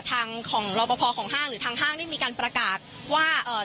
ทางของรอปภของห้างหรือทางห้างได้มีการประกาศว่าเอ่อ